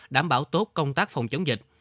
đảm bảo tốt công tác phòng chống dịch